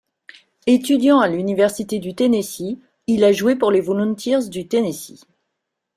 Étudiant à l'université du Tennessee, il a joué pour les Volunteers du Tennessee.